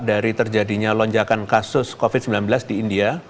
dari terjadinya lonjakan kasus covid sembilan belas di india